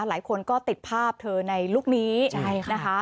หลายคนก็ติดภาพเธอในลุคนี้นะคะ